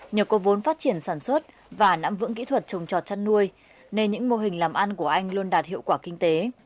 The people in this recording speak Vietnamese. nhờ có vốn phát triển sản xuất và nắm vững kỹ thuật trồng trọt chăn nuôi nên những mô hình làm ăn của anh luôn đạt hiệu quả kinh tế